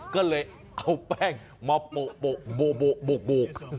ก็เลยเอาแป้งมาโปะโบก